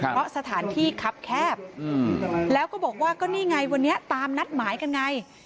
เพราะสถานที่คับแคบแล้วก็บอกว่าก็นี่ไงวันนี้ตามนัดหมายกันไง